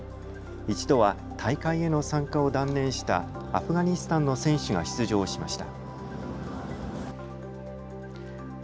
一度は大会への参加を断念したアフガニスタンの選手が出場しました。